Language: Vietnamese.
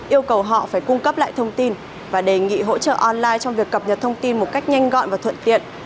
yêu cầu họ phải cung cấp lại thông tin và đề nghị hỗ trợ online trong việc cập nhật thông tin một cách nhanh gọn và thuận tiện